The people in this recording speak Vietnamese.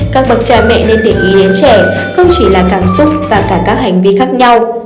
các bậc cha mẹ nên để ý đến trẻ không chỉ là cảm xúc và cả các hành vi khác nhau